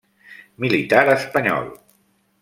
Militar espanyol.